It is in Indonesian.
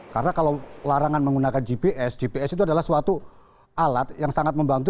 karena kalau larangan menggunakan gps gps itu adalah suatu alat yang sangat membantu